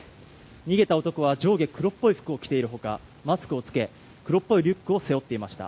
逃げた男は上下黒っぽい服を着ている他、マスクを着け黒っぽいリュックを背負っていました。